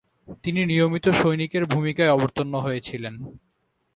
তিনি নিয়মিত সৈনিকের ভূমিকায় অবতীর্ণ হয়েছিলেন।